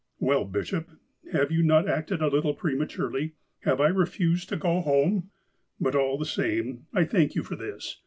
" Well, bishop, have you not acted a little prematurely ? Have I refused to go home ? But, all the same, I thank you for this.